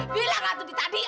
bilang ratu titadi ah